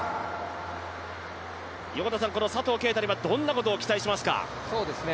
この佐藤圭汰にはどんなことを期待しますか？